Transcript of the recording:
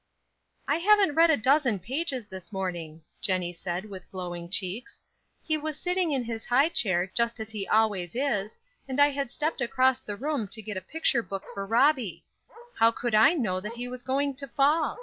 "I haven't read a dozen pages this morning," Jennie said, with glowing cheeks. "He was sitting in his high chair, just as he always is, and I had stepped across the room to get a picture book for Robbie. How could I know that he was going to fall?